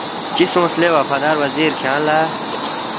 ”چِہ سونگس لے وفادار وزیر کھیانگ لہ؟“